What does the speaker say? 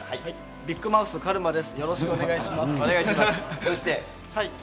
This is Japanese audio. ビッグマウス、カルマです。